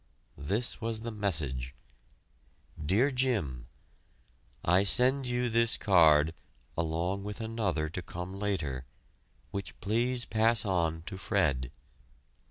This was the message: DEAR JIM: I send you this card along with another to come later, which please pass on to Fred.